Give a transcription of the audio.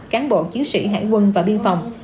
cán bộ chiến sĩ hải quân và biên phòng